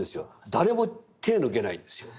誰も手抜けないんですよ。